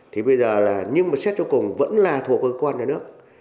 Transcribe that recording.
thì bây giờ là nhưng mà xét cho cùng vẫn là thuộc cơ quan nhà nước